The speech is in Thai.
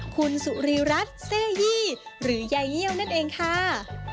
คุณสุรีรัฐเซยี่หรือยายเยี่ยวนั่นเองค่ะ